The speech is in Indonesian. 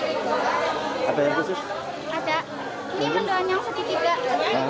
ada ini mendoannya yang sedikit juga